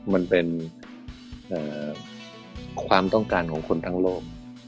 มันเป็นความต้องการของคนทั้งโลก